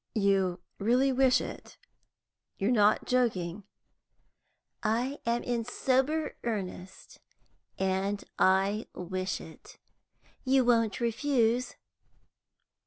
"You really wish it? You are not joking?" "I am in sober earnest, and I wish it. You won't refuse?"